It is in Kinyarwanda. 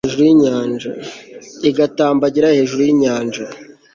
igatambagira hejuru y'inyanja